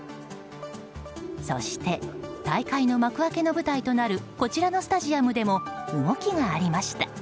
そして大会の幕開けの舞台となるこちらのスタジアムでも動きがありました。